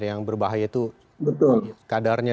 yang berbahaya itu kadarnya